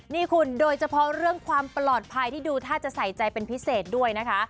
นี่คุณโดยเฉพาะเรื่องความปลอดภัยที่ดูท่าจะใส่ใจเป็นพิเศษด้วยนะคะ